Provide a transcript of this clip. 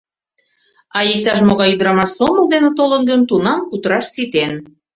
А иктаж-могай ӱдырамаш сомыл дене толын гын, тунам кутыраш ситен.